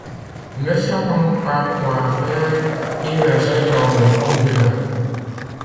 Ne savant pas quoi faire, il la jette dans le fond du lac.